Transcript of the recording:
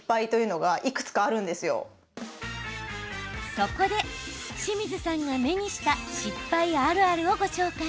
そこで、清水さんが目にした失敗あるあるをご紹介。